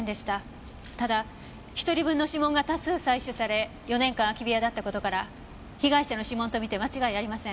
ただ１人分の指紋が多数採取され４年間空き部屋だった事から被害者の指紋とみて間違いありません。